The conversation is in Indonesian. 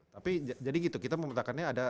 tapi jadi gitu kita memetakannya ada